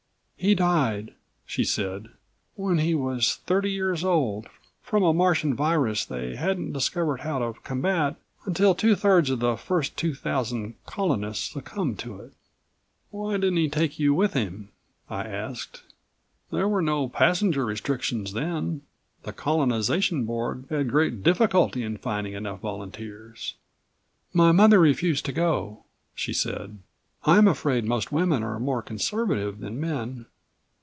"He died," she said, "when he was thirty years old, from a Martian virus they hadn't discovered how to combat until two thirds of the first two thousand colonists succumbed to it." "Why didn't he take you with him?" I asked. "There were no passenger restrictions then. The Colonization Board had great difficulty in finding enough volunteers." "My mother refused to go," she said. "I'm afraid ... most women are more conservative than men.